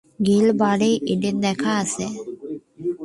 গেল বারে এডেন দেখা আছে।